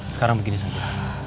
sekarang begini sangka